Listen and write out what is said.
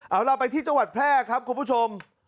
เอาเราไปที่จังหวัดแพร่ครับคุณผู้ชม